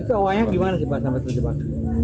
itu awalnya gimana sih pak sampai terjebak